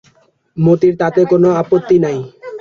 মতির তাতে কোনো আপত্তি নাই।